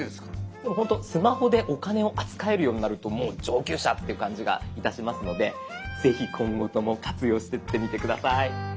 でもほんとスマホでお金を扱えるようになるともう上級者っていう感じがいたしますのでぜひ今後とも活用してってみて下さい。